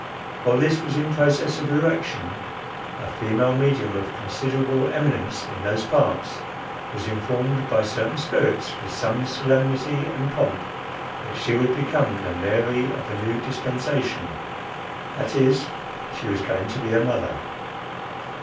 While this was in process of erection, a female medium, of considerable eminence in those parts, was informed by certain spirits, with great solemnity and pomp, that "she would become the Mary of a new dispensation;" that is, she was going to be a mother.